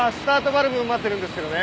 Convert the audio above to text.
バルブ待ってるんですけどね。